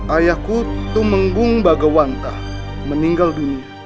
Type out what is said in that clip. ayahku tumenggung bagawanta meninggal dunia